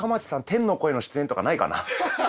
天の声の出演とかないかな？